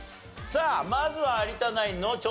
さあまずは有田ナインの挑戦です。